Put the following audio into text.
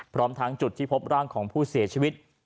พร้อมทั้งจุดที่พบร่างของผู้เสียชีวิต